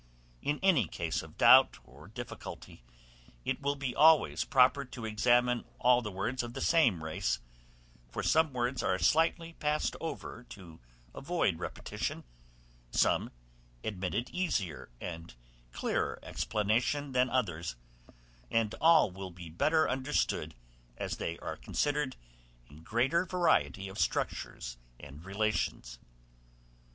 In any case of doubt or difficulty, it will be always proper to examine all the words of the same race; for some words are slightly passed over to avoid repetition, some admitted easier and clearer explanation than others, and all will be better understood, as they are considered in greater variety of structures and relations.